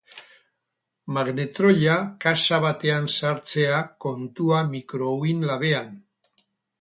Magnetroia kaxa batean sartzea kontua mikouhin labean.